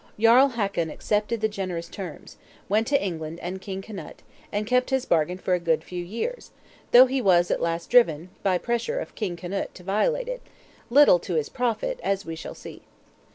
'" Jarl Hakon accepted the generous terms; went to England and King Knut, and kept his bargain for a good few years; though he was at last driven, by pressure of King Knut, to violate it, little to his profit, as we shall see.